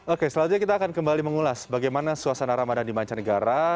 oke selanjutnya kita akan kembali mengulas bagaimana suasana ramadan di mancanegara